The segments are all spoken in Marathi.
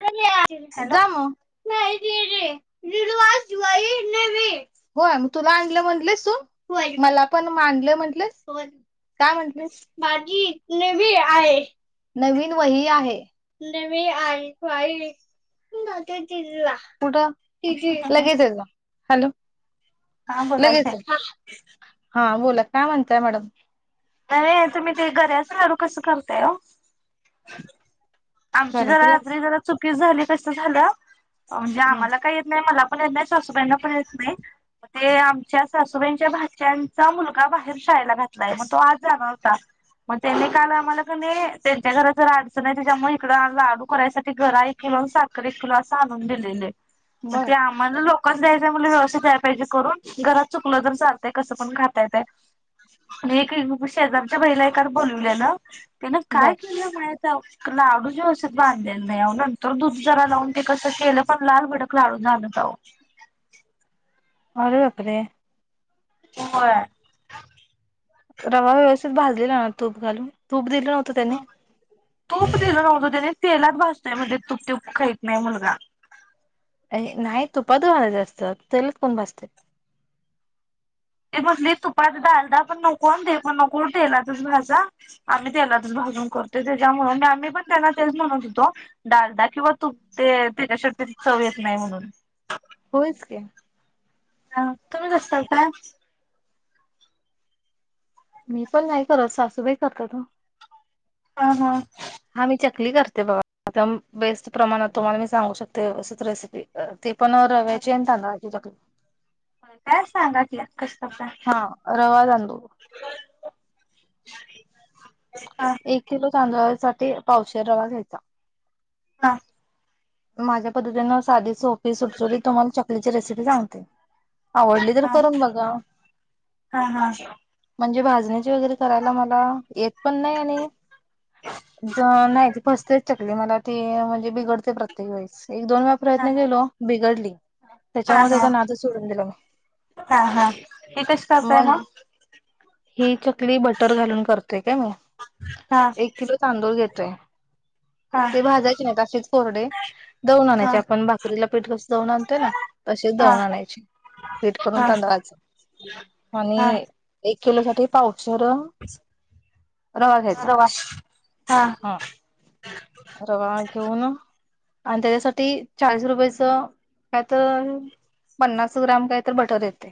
[unintelligible] हॅलो जा म [unintelligible] [inaudible] [unintelligible] [unintelligible] होय म तुला आणलं म्हणलीस तू? होय. मला पण म आणलंय म्हटलेस? होय. काय म्हटलीस? माझी नेवी आहे. नवीन वही आहे. नवी आहे. [unintelligible] कुठं? लगेच ये जा. हॅलो? हा लगेच बोलायचंय ये. हां. बोला काय म्हणताय मॅडम? आये तुम्ही ते गऱ्याचं लाडू कसं करताय ओ? आमची जरा करायचं रात्री लागलं जरा चुकी झाली तसं झाल्या म्हणजे हा आम्हाला काही येत नाही. मला पण येत नाही. सासूबाई ना पण येत नाही. म ते. आमच्या सासूबाईंच्या भाच्यायांचा मुलगा बाहेर शाळेला घातलाय मग तो आज. जानार होता. मग त्यानी काल आम्हाला कनी. त्यांच्या घराच जरा अडचण हाय त्याच्यामुळे. इकड लाडू करायसाठी गरा एक किलो आणि साखर एक किलो अस आणून दिलेल. बर ते आम्हाला लोक काच द्यायच म्हणण्यावर व्यवस्थितीत द्याय पाहिजे करून. घरात चुकलं तर चालतय कसं पण खाता येतय. आणि एक शेजारच्या बाईला एका बोलवल्याल तीन बर काय केल्या महित्या ओ लाडूच व्यवस्थित बांधलेली नाही आओ. नंतर दूध जरा लावून ते कसं केलं पण लाल भडक लाडू झालं. हो. अरे बापरे. होय. रवा व्यवस्थितीत भाजलेला ना तूप घालून. तूप दिलं नव्हतं त्यानी? तूप दिल नव्हतं त्यानी. तेलात भाजतोय म्हणजे तूप-दूप खाहीत नाही मुलगा. अ नाही तुपातच भाजायच असत. तेलात कोण भाजत्यात. ते म्हटली तुपातच भाजय पण नको. ते पण नको तेलातच भाजा आम्ही तेलातच भाजलो. तुपातच करतो. आम्ही पण तेचं म्हणत होतो. डालदा किंवा तूप द्या ते चव येत नाही म्हणून. होयच की. हा तुम्ही कस करताय. मी पण नाही करत सासूबाई करतात ओ. हा. हा. हा मी चकली करते बाबा आता बेस्ट प्रमाणात तुम्हाला मी सांगू शकते असच रेसिपी ते पण रव्याचेन तजक काय सांगा त कस हा रवाज अनभ हा एक किलो तांदळा सा पावशीर रवा घ्यायचा हा माझ्या पद्धतीनं साडी सोपी सुटसुडीत तुम्हाला चकलीची रेसिपी सांगते आवडली तर हा करून बघा हा हा म्हणजे वर करा म येत पण फ मला ती म्हणजे बिघडते प्रत्येक वेळेस एक दोन वेळा हा प्रयत्न हा केलो बिघडली हा त्याच्यामुळे हा त्याचा नाद सोडून दिला म हा हा हे कस करतय मग ही चकली बटर घालून करते काय मग हा एक किलो तांदूळ घेत हा ते भाजायचे नाही असेच कोोरडे दवून हा आणायची आपण भाकरीला पीठ कस दवून आणोय ना तशीच हा दवून आणायची वेट करून हा तांदवायचं हा आणि एक किलो साठी पाऊचर होर वा हा रवा घेऊन आणि त्याच्यासाठी चाळीस रुपयाच काय तर पन्नास ग्राम काय तर बटर येते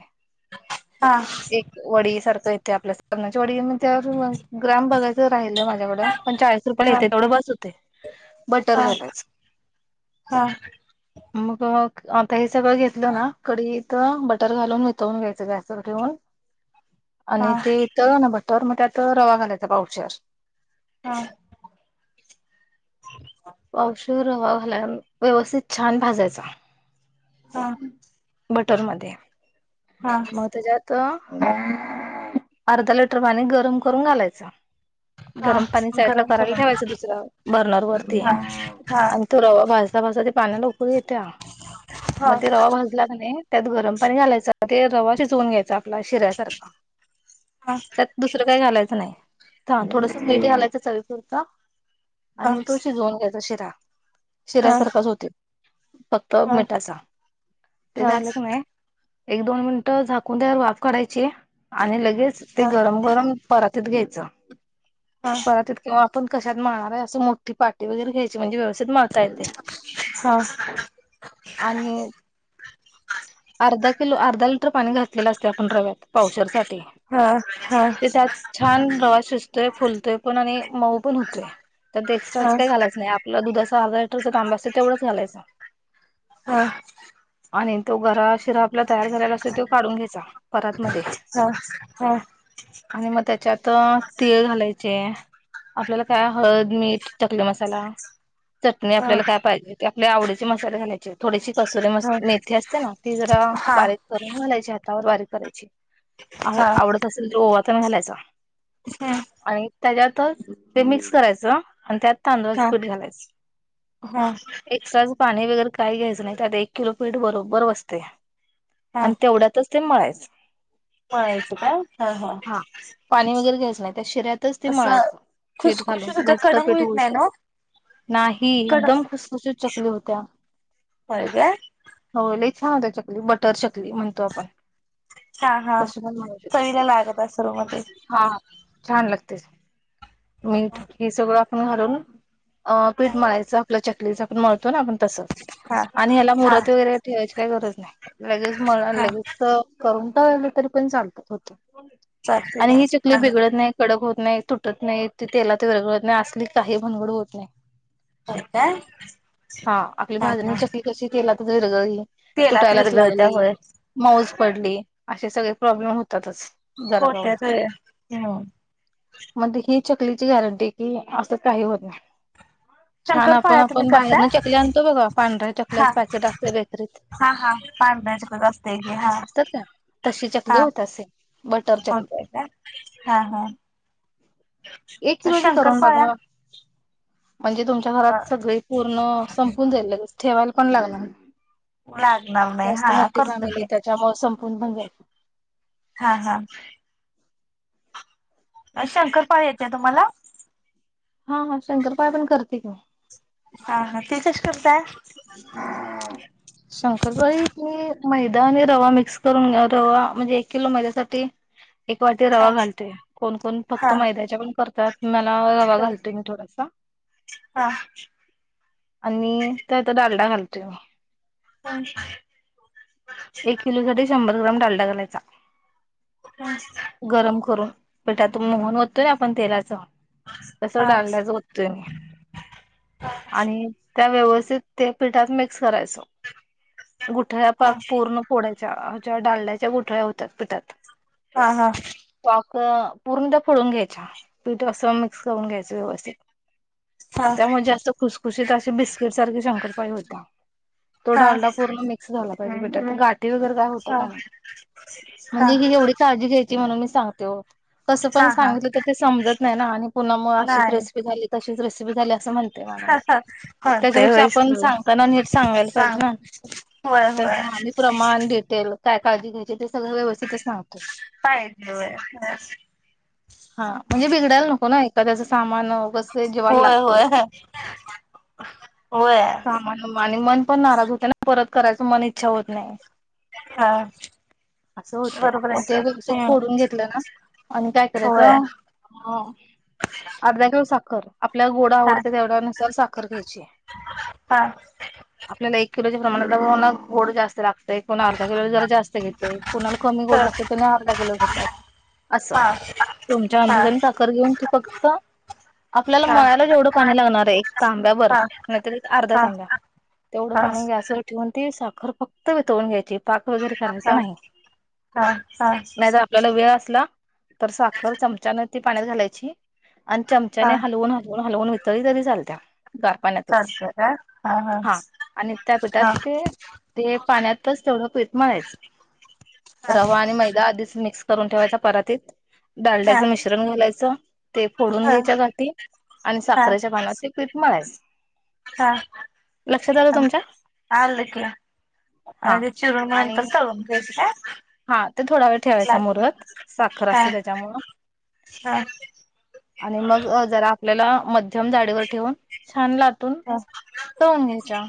हा एक वडी सारखं येते आपल्या साब्नाच्या वडी म्हण त्यावर म ग्रम बघायचं राहिलंयझ्याकडं पण चाळीस रुपयाला हा हा येते तेवढं बस होत बर घाला हा हा म आ सगळं घेतलं ना कडी इथ बटर घालून वितवून घ्यायचं गॅसवर ठेऊन हा आणि ते इथं ना भटवर म्ह आता रवा घालायचा पावच्यावर हा पावशी हवा घाला व्यवस्थित छान भाजायचा हा बटर म मग त्याच्यात अर्धा लिटर पाणी गरम करून घालायचं हा गरम पाणी साईडला गरम करायला करून ठेवायचं दुसरा बर्नर वरती हा हा आणि तो रवा भाजता भाजता ते पाण्या लोककर येत्या हा हा मध्ये ते रवा भाजला का नाही त्यात गरम पाणी घालायचं ते रवा शिजवून घ्यायचा आपला शिऱ्यासारखा हा हा त्यात दुसरं काही घालायचं नाही थोडस म घालायचंच हवी शिरता हा हा आणि तो शिजवून घ्यायचा शिरा हा हा शिऱ्यासारखाच होत फक्त मिठाचा ते झालं की नाही एक दोन मिनिटं झाकून त्यावर वाफ काढायची आणि लगेच ते गरम गरम परातीत घ्यायचं परातीत कि्हा आपण कशात मारणार आहे असे मोठी पाट वगर घ्यायची म्हणजे व्यवस्थित मा य ते आणि अर्धा किलो अर्धा लिटर पाणी घातलेलं असते आपण रव्यात पावशरसाठी हा ते त्यात छान रवा शिजतोय फुलतोय पण आणि मऊ पण होतोय त्यात हा एक्स्ट्राच हा काही घालायच नाही आपलं दुधाचा अर्धा लिटरचा तांब असं तेवढच घालायचं हा आणि तो गरा शिरा आपला तयार झारायला असत तो काढून घ्यायचा परत मध्ये हा हा आणि मग त्याच्यात तीळ घालायचे आपल्याला काय हळद मीठ चकली मसाला चटणी हा आपल्याला काय पाहिजे त्या आवडीचे मसासेलेायचे होते थोडीशी कसुरी मस् हा मेथी असते ना ती जरा हा बारीक करून घालायची हातावर बारीक करायची अो आवडत असेल तर गवाातण घालायच. हम. त्याच्यातच ते मिक्स करायचं आणि त्यात तांदळाचं हा पीठ हा घालायचं एक्स्ट्राच पाणी वगैरे काही घ्यायचं नाही आत एक किलो पीठ बरोबर बसते आणि तेवढ्यातच ते मळायच. माच का हा हा. पाणी वगैरे घ्यायचं नाही त्या शिऱ्यातच ते असं मळायच पीठ घालून खुसखुशीत होत्या घट. कडंग पेट होईत हो नाही ना नाही कड एकदम खुसखुशीत चकली होत्या. अ का हो लई छान होत चकली बटर चकली म्हणतो आपण हा त हा पण म्ह शक चवीला लागत असल म ते हा छान लागते. मीठ हे सगळं आपण घालून अ पीठ मारयचं आपल्या च प्लीज आपणळतो ना आपण तसच हा आणि ह्याला हा मुहरत वगैरे ठेवायची काही गरज नाही. लगेच म हा लगेच करून टलं तरी पण चालतात होत. चालतंय आणि काय ही चकली हा हा बिघडत नाही कडक होत नाही तुटत नाही ति तेला ते वगळत नाही अस. आप काही भनगड होत नाही. का का? हा आपली भाज्यांनी चकली कशी केला तर विरगळी तेलात तुटायलाच विरघळत्या लागली होय मऊज पडली असे सगळे प्रॉब्लेम होतातच. झाला काला होत्यात होय हम्म म्हण हे. चकलीची गॅरंटी कि असं काही होत नाही. आईयरलद छान आपण आपण बाहेरन चकली आणतो बघा पांढऱ्या हा चकल्याच पॅकेट असते बेकरीत हा हा पांढण्याची असते हा असतात का तशी चकली हा. होत असे बटर चकली हा हा. एक तर किलो करून शंकरपाळ्या बघा. म्हणजे तुमच्या अ घरात सगळी पूर्ण संपून जाईल ठेवायला पण लागणार. लागणार नाही जास्त हा मोठी करतो फॅमिली की त्याच्यामुळे संपून बघायच. हा हा. शंकरपाळ याेत आहे तुम्हाला हा शंकरपाय पण करते का? हा हा ते कशी करताय. मैदाने रवा मिक्स करून घ्या रवा म्हणजे एक किलो मैद्यासाठी एक वाटी रवा हा घालते कोण कोण हा फक्त मैद्याच्या पण करतात. मला रवा बर घालतोय मी थोडासा हा आणि आता डलडा घलत म ह. एक किलो साठी शंभर ग्राम डालडा घालायचा. हा गरम करून पेठातून मोहन तोय ना आपण तेलाच. तस हा हा डालण्याच होततय मी आणि त्या व्यवस्थित ते पिठात मिक्स करायचो गुठ्या पाक हा पूर्ण पोडायच. डाड्याच्या गोठळ्या होतात पितात. हा हा. पूर्ण त्या फोळून घ्यायच्या पीठ असं मिक्स करून घ्यायचं व्यवस्थित त्यामुळे जास्त खुसखुशीत असे बिस्किट सारखे शंकरपाई होता. तो हा ढालडा पूर्ण मिक्स झाला पाहिजे. काय हो हा हा म्हणे ज काळी घ्याची म्ह ण समत हा हा नाही. नाही रेसिपी झा असं म्हणते माणूस होते त्याच्यापेक्षा होयच आपण की सांगताना नीट सांगायला सांग पाहिजे ना. होय होय हा मी प्रमाण डिटेल काय काळजी घ्यायची ते सगळं व्यवस्थितच सांगतो पाहिजे होय हा म्हणजे बिघडायला नको ना एखाद्याच सा न जेवायला होय होय होय होय लागतेमान पण नाराज होते ना परत करायचं मन इच्छा होत नाही हा असं होतय बरोबर मग ते आहे की. व्यवस्यित हम्म फोडून घेतलं ना आणि काय होय करायचं अर्धा केळस कर आपल्याला गोड हा आवडत तेवढ्या नुसार साखर घ्यायची हा आपल्याला एक प्रमाण गोड जास्त लागत एकूण अर्धा किलो जरा जास्त घेते कुणाला कमी ह गोड लागते तर अर्धा किलो घेतात असं हा तुमच्या हा हा अंदाजाने साखर घेऊन त फक्त आपल्याला हा मळ्याला जेवढं पाणी लागणार आहे एक तांब्या बर हा नाहीत एक अर्ध्या हा तांब्या तेवढं हा पाणी गॅस ठेवून ती साखर फक्त वितळून घ्यायची पाक वगैरे करायचा नाही हा नाही तर आपल्याला वेळ असला तर साखर चमचाने ती पाण्यात घालायची आणि चमचाने हलवून हल हलवून वितली तरी चालत गार पाण्यातच हा आणि त्यापठात ते ते पाण्यातच तेवढं पतमळ आहेच रवा आणि मैदा आधीच मिक्स करून ठेवायचा परातीत डालडाचं मिश्रण घालायचं ते फोडून घ्यायच्या गठीी आणि हा साखरेच्या पानात ते पिठ मारस हा आल क हा आणि ते चिरून आणि नंतर करून घ्यायच काय हा ते थोडा वेळ ठेवायचा लाटून मुरत साखर हा असते त्याच्यामुळं हा आणि मग जरा आपल्याला मध्यम जाडीवर ठेवून छान लातून ह तोंगेच्या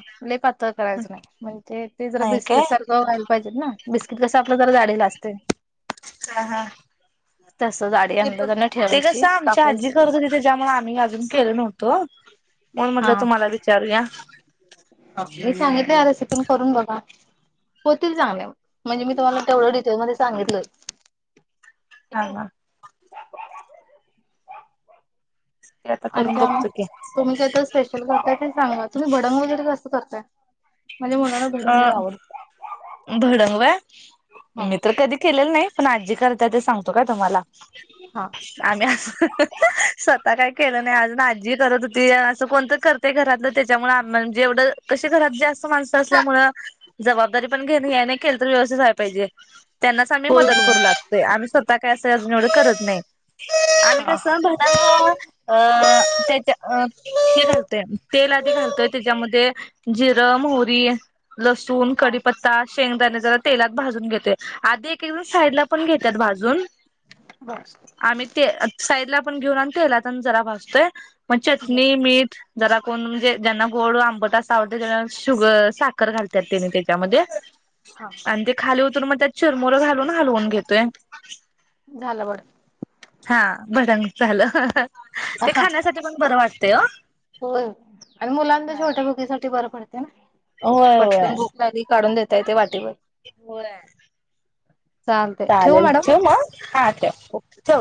पातळ करायचं नाही म्हणजे ते जरा नाही काय बिस्किट सारखं व्हायला पाहिजे ना बिस्किट कसं आपलं जरा झालेला असते हा हा तस जाडी ते पण अंदाजान ते ठेवायची कसं आमच्या आजी कापायची करर्तती त्याच्यामुळे आम्ही अजून केल नव्हतो म हा म्हंटलं तुम्हाला विचारूया मी सांगितले ह रेसिपी करून बघा होतील चांगले म्हणजे मी तुम्हाला तेवढं डिटेल मध्ये सांगितलंय हा हा ते आता आणि करून त्या बघतो की तुम्ही काही तर स्पेशल करताय ते सांगा तुम्ही भडंग वगैरे कसं करताय माझ्या मुलाला अ भडंग लय आवडतं भडंगव हा मी तर्र कधी केलेलं नाही पण आजी करता ते सांगतो का तुम्हाला हा आम्ही अस स्वतः काय केलं नाही अज आजी करत होती असं कोणत करते घरातलं त्याच्यामुळे आ म्हणजे एवढं कशी घरात जास्त असल्यामुळे जबाबदारी पण घे नाही केल तर व्यवस्थितय पाहिजे त्यांनाच आम्ही होय मदत होय करू लागतोय आम्ही स्वतः काही असंजवढ करत नाही आम्ही हा हा कसं अ त्याच्या अ हे घालतय तेल आधी घालतोय त्याच्यामध्ये जिरम होरी लसूण हा कडीीपत्ता शेंगदाणे ज तेलात भाजून घेते आधी एक एक साईड ला पण घेतात भाजून बस आम्ही ते साईडला पण घेऊन आणि तेलातण जरा भासतोय मग बर चटणी मीठ जरा कोण म्हणजे ज्यांना गोड आंबट असं आवडते साख घालत हा त्याच्यामध्ये खा ून मग त्यात चिरमुरं घालून हलवून घेतोय झालं बर हा भटण झालं ते खाण्यासाठी पण बरं वाटते हो हो आणि मुलां तर छोट्या बगीसाठीठी बरं पडत होय होय पटकन भोक लाली काढून देता येते वाटीवर होय. चालतय ठेवू चालेल मॅडम चे मग हा च ओके चव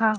हा